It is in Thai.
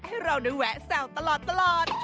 ให้เราได้แวะแซวตลอด